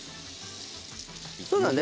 そうだね。